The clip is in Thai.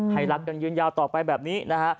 ให้รักกันยืนยาวต่อไปแบบนี้นะฮะ